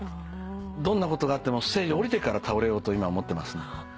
どんなことがあってもステージ下りてから倒れようと今は思ってますね。